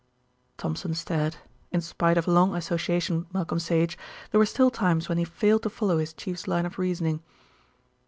Thompson stared. In spite of long association with Malcolm Sage, there were still times when he failed to follow his chief's line of reasoning.